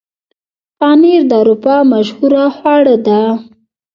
پنېر د اروپا مشهوره خواړه ده.